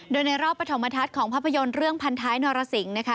โดยในรอบปฐมทัศน์ของภาพยนต์เรื่องพันท้ายหน่อละสิงค่ะ